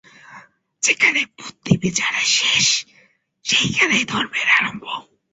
যেখানে বুদ্ধিবিচারের শেষ, সেইখানেই ধর্মের আরম্ভ।